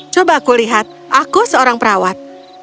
coba aku lihat aku seorang perawat